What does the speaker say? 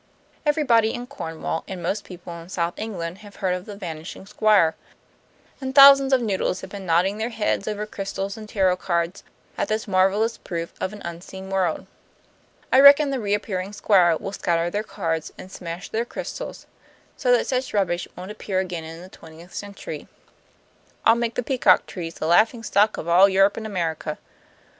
Everybody in Cornwall and most people in South England have heard of the Vanishing Squire; and thousands of noodles have been nodding their heads over crystals and tarot cards at this marvelous proof of an unseen world. I reckon the Reappearing Squire will scatter their cards and smash their crystals, so that such rubbish won't appear again in the twentieth century. I'll make the peacock trees the laughing stock of all Europe and America."